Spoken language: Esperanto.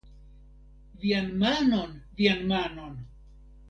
Vian manon, vian manon!